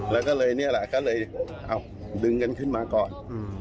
แล้วก็เลยนี่แหละก็เลยเอาดึงกันขึ้นมาก่อน